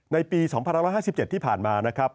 ในปี๒๕๕๗ที่ผ่านมานะครับ